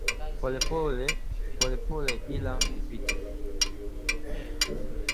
Polepole ila hupita